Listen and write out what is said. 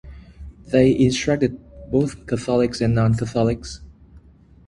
They instructed both Catholics and non-Catholics.